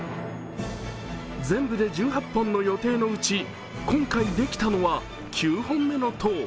全部で１８本の予定のうち、今回できたのは９本目の塔。